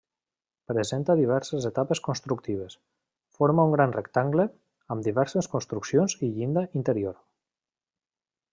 Presenta diverses etapes constructives, forma un gran rectangle, amb diverses construccions i llinda interior.